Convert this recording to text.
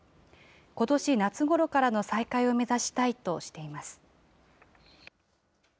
ことし夏ごろからの再開を目指したいとしています。